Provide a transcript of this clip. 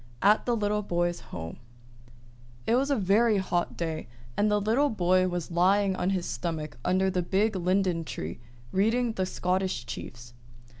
AT THE LITTLE BOY'S HOME It was a very hot day, and the little boy was lying on his stomach under the big linden tree, reading the "Scottish Chiefs."